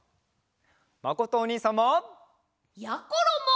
まことおにいさんも。